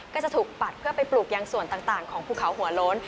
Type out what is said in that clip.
ก็จะถูกปัดเพื่อไปปลูกยังส่วนต่างของภูเขาหัวโล้น